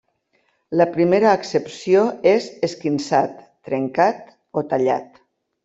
La primera accepció és 'esquinçat', 'trencat' o 'tallat'.